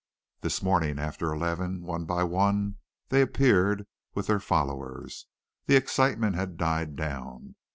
"This morning, after eleven, one by one they appeared with their followers. The excitement had died down.